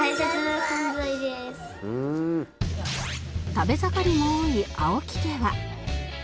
食べ盛りも多い青木家は